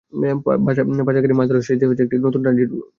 পাচারকারীরা মাছ ধরার জেলে সেজে একটি নৌকা নতুন ট্রানজিট ঘাটে নোঙর করে।